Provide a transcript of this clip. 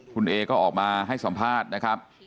คุณเอก็ออกมาให้สัมภาษณ์นะครับ